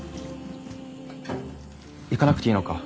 行かなくていいのか？